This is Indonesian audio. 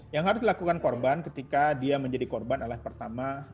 yang harus dilakukan korban ketika dia menjadi korban adalah pertama